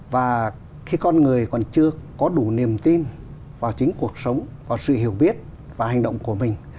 và khi con người còn chưa có đủ niềm tin vào chính cuộc sống và sự hiểu biết và hành động của mình